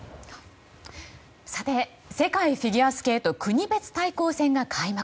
世界フィギュアスケート国別対抗戦が開幕。